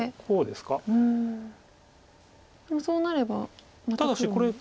でもそうなればまた黒も。